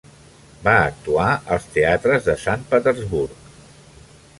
Va actuar als teatres de Sant Petersburg.